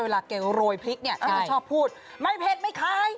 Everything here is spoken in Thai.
เวลาเกลียวโรยพริกมันชอบพูดไม่เผ็ดไม่คล้าย